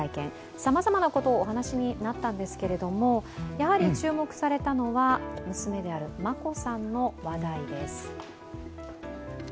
さまざまなことをお話になったんですけれどもやはり注目されたのは娘である眞子さんの話題です。